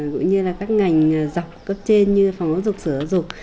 cũng như là các ngành dọc cấp trên như phòng hóa dục sửa hóa dục